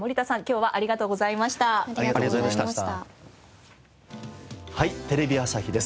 『はい！テレビ朝日です』